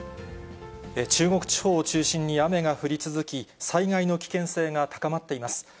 中国地方を中心に雨が降り続き、災害の危険性が高まっています。